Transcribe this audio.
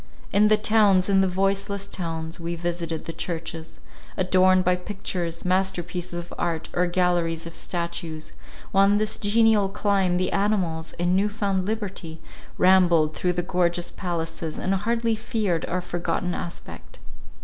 In the towns, in the voiceless towns, we visited the churches, adorned by pictures, master pieces of art, or galleries of statues—while in this genial clime the animals, in new found liberty, rambled through the gorgeous palaces, and hardly feared our forgotten aspect.